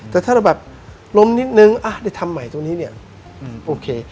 แต่ถ้าเราแบบล้มนิดนึงได้ทำใหม่ตรงนี้เนี่ยโอเค